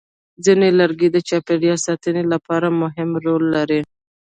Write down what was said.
ځینې لرګي د چاپېریال ساتنې لپاره مهم رول لري.